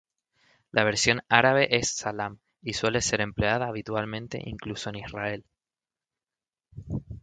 La versión árabe es "salam" y suele ser empleada habitualmente incluso en Israel.